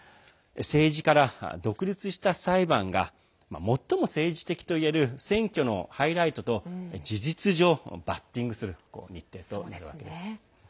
政治から独立した裁判が最も政治的といえる選挙のハイライトと事実上バッティングする日程となるわけです。